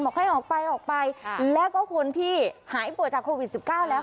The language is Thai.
บอกให้ออกไปแล้วก็คนที่หายปวดจากโควิด๑๙แล้ว